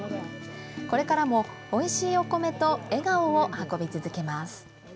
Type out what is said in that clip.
これからもおいしいお米と笑顔を運び続けます。